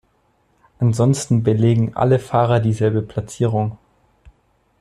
Ansonsten belegen alle Fahrer dieselbe Platzierung.